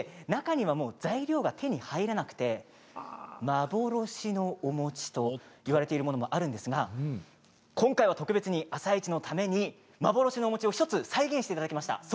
中には材料が手に入らなくて幻のお餅といわれているものもあるんですが今回は特別に「あさイチ」のために幻のお餅を１つ再現していただきました。